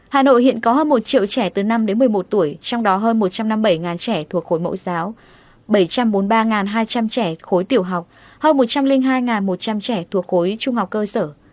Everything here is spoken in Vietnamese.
hà nội hiện có hơn một triệu trẻ từ năm đến một mươi một tuổi trong đó hơn một trăm năm mươi bảy trẻ thuộc khối mẫu giáo bảy trăm bốn mươi ba hai trăm linh trẻ khối tiểu học hơn một trăm linh hai một trăm linh trẻ thuộc khối trung học cơ sở